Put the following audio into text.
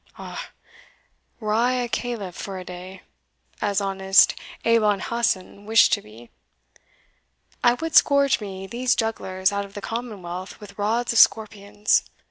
Ah! were I caliph for a day, as Honest Abon Hassan wished to be, I would scourge me these jugglers out of the commonwealth with rods of scorpions.